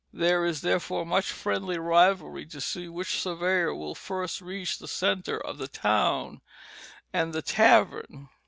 There is, therefore, much friendly rivalry to see which surveyor will first reach the centre of the town and the tavern.